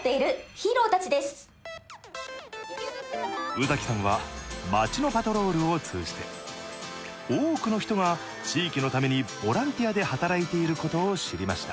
宇崎さんは街のパトロールを通じて多くの人が地域のためにボランティアで働いていることを知りました。